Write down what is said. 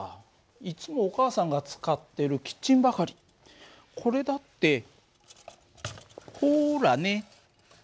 いつもお母さんが使ってるキッチンばかりこれだってほらね。